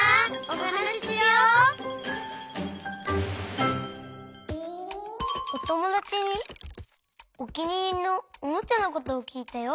おともだちにおきにいりのおもちゃのことをきいたよ。